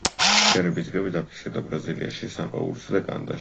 მცირე ბიძგები დაფიქსირდა ბრაზილიაში, სან-პაულუსა და კანადაში, ტორონტოში.